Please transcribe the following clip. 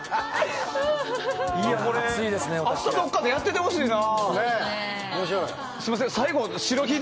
どこかでやっててほしいな。